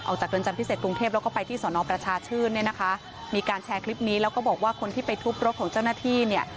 เรือนจำพิเศษกรุงเทพแล้วก็ไปที่สอนอประชาชื่นเนี่ยนะคะมีการแชร์คลิปนี้แล้วก็บอกว่าคนที่ไปทุบรถของเจ้าหน้าที่เนี่ย